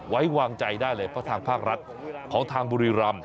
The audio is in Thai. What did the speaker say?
ไว้วางใจได้เลยเพราะทางภาครัฐของทางบุรีรำ